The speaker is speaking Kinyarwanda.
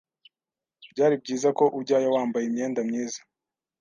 Byari byiza ko ujyayo wambaye imyenda myiza